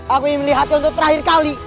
aku ingin melihatnya untuk terakhir kali